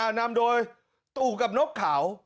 นำโดยตู่กับนกเขา